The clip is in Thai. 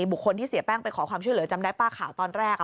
บุคคลที่เสียแป้งไปขอความช่วยเหลือจำได้ป่ะข่าวตอนแรก